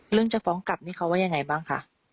จะฟ้องกลับนี่เขาว่ายังไงบ้างคะ